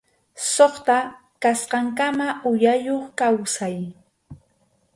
Suqta kasqankama uyayuq kawsay.